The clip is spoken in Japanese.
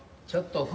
ちょっと。